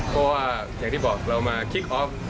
เพราะว่าอย่างที่บอกเรามาคิกออฟ